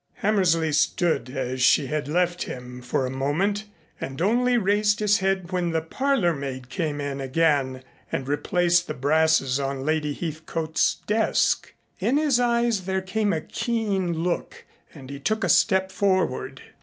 Hammersley stood as she had left him for a moment and only raised his head when the parlor maid came in again and replaced the brasses on Lady Heathcote's desk. In his eyes there came a keen look and he took a step forward.